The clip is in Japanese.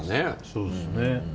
そうですね。